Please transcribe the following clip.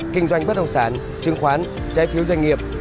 kinh doanh bất đồng sản trương khoán trái phiếu doanh nghiệp